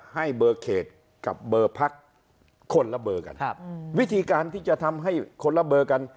ให้เบอร์เขตกับเบอร์พักคนละเบอร์กันครับวิธีการที่จะทำให้คนละเบอร์กัน